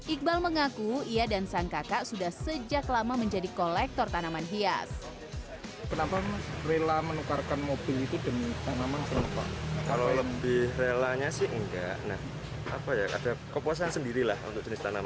iqbal mengaku ia dan sang kakak sudah sejak lama menjadi kolektor tanaman hias